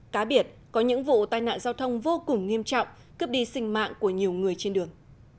cá biệt có những vụ tai nạn giao thông vô cùng nghiêm trọng cướp đi sinh mạng của nhiều người trên đường